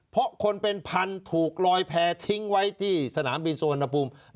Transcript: เพราะคนเป็นพันถูกลอยแพ้ทิ้งไว้ที่สนามบินสุวรรณภูมิ